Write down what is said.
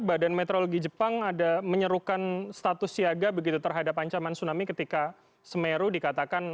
badan meteorologi jepang ada menyerukan status siaga begitu terhadap ancaman tsunami ketika semeru dikatakan